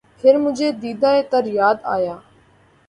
پھر مجھے دیدہٴ تر یاد آیا